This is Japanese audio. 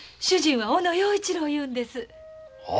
主人は小野陽一郎いうんです。